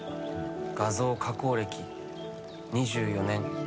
画像加工歴２４年。